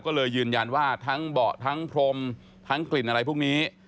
ก็เลยยืนยันว่าทั้งเบาะทั้งพรมทั้งกลิ่นอะไรพวกนี้